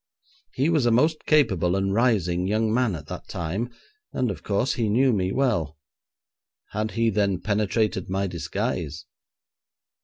He was a most capable and rising young man at that time, and, of course, he knew me well. Had he, then, penetrated my disguise?